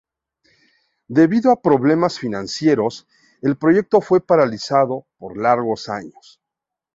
Debido a problemas financieros el proyecto fue paralizado por largos años.